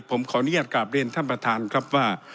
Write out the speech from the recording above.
ผมขออนุญาตกราบเรียนท่านประธานครับว่า